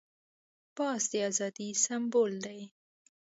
باز د آزادۍ سمبول دی